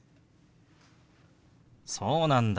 そうなんだ。